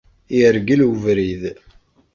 Yergel ubrid.